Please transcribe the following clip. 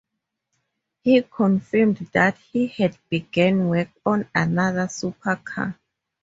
He confirmed that he had begun work on another supercar.